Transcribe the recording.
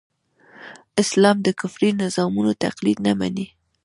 اسلام د کفري نظامونو تقليد نه مني.